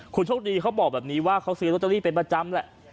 คุณโชคดีเขาบอกแบบนี้ว่าเขาซื้อลอตเตอรี่เป็นประจำแหละ